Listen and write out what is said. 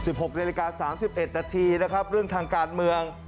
๑๖นาฬิกา๓๑นาทีนะครับเรื่องทางการเมือง